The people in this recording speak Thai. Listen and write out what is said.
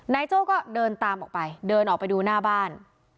โจ้ก็เดินตามออกไปเดินออกไปดูหน้าบ้าน